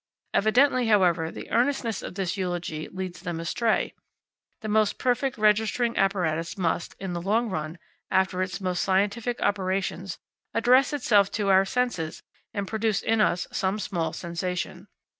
Evidently, however, the earnestness of this eulogy leads them astray. The most perfect registering apparatus must, in the long run, after its most scientific operations, address itself to our senses and produce in us some small sensation.